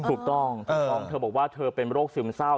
ถูกต้องถูกต้องเธอบอกว่าเธอเป็นโรคซึมเศร้า